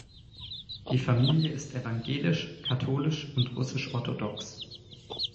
Die Familie ist evangelisch, katholisch und russisch-orthodox.